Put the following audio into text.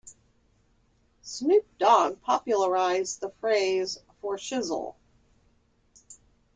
Snoop Dog popularized the phrase "For shizzle".